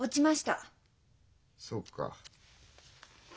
そうか。